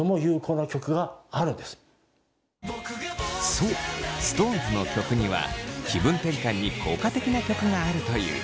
そうＳｉｘＴＯＮＥＳの曲には気分転換に効果的な曲があるという。